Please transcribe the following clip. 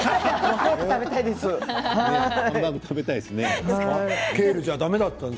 早く食べたいです。